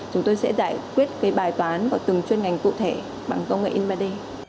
chúng tôi sẽ giải quyết cái bài toán của từng chuyên ngành cụ thể bằng công nghệ in ba d